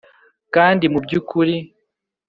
kandi mu by’ukuri